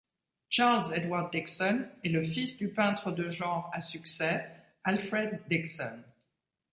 Charles Edward Dixon est le fils du peintre de genre à succès Alferd Dixon.